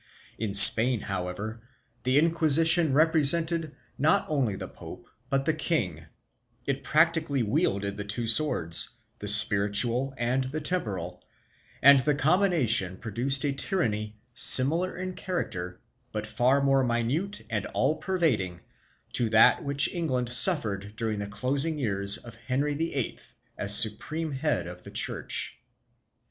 In Spain, however, the Inquisition represented not only the pope but the king; it practically wielded the two swords — the spiritual and the temporal — and the combination produced a tyranny, similar in character, but far more minute and all pervading, to that which England suffered during the closing years of Henry VIII as Supreme Head of the Church.